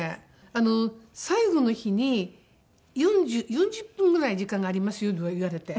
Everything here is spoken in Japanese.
あの最後の日に４０分ぐらい時間がありますよと言われて。